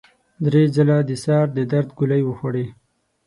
درې ځله د سر د درد ګولۍ وخوړې.